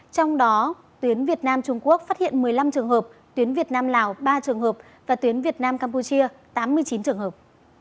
trong đó tuyến việt nam trung quốc phát hiện một mươi năm trường hợp tuyến việt nam lào ba trường hợp và tuyến việt nam campuchia tám mươi chín trường hợp